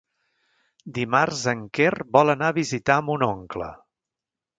Dimarts en Quer vol anar a visitar mon oncle.